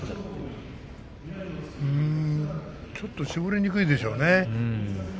ちょっと絞りにくいでしょうね。